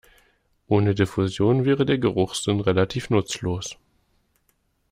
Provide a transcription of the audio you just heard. Ohne Diffusion wäre der Geruchssinn relativ nutzlos.